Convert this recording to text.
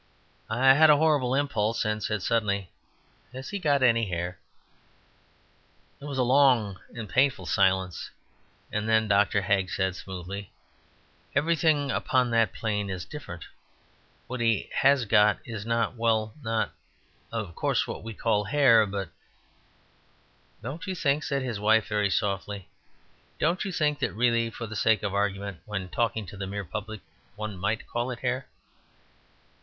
I had a horrible impulse, and said suddenly, "Has he got any hair?" There was a long and painful silence, and then Dr. Hagg said smoothly: "Everything upon that plane is different; what he has got is not... well, not, of course, what we call hair... but " "Don't you think," said his wife, very softly, "don't you think that really, for the sake of argument, when talking to the mere public, one might call it hair?"